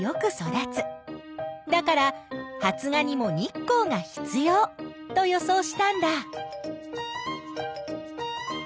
だから発芽にも日光が必要と予想したんだ。